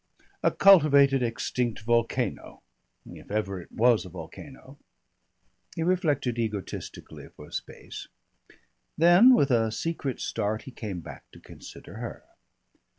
A cultivated extinct volcano if ever it was a volcano." He reflected egotistically for a space. Then with a secret start he came back to consider her.